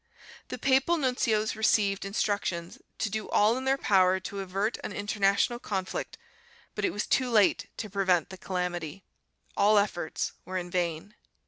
The papal nuncios received instructions to do all in their power to avert an international conflict, but it was too late to prevent the calamity; all efforts were in vain.